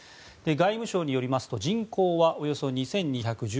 外務省によりますと人口はおよそ２２１６万人。